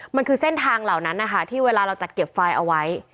มันคือเส้นทางเหล่านั้นนะคะที่เวลาเราจัดเก็บไฟล์เอาไว้